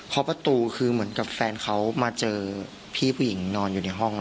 ประตูคือเหมือนกับแฟนเขามาเจอพี่ผู้หญิงนอนอยู่ในห้อง